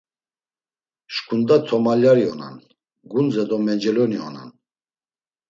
Şǩunda tomalyari onan, gundze do menceloni onan.